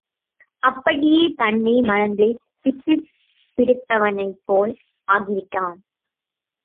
அப்படியே தன்னை மறந்து பித்துப் பிடித்தவனைப்போல் ஆகிவிட்டான்.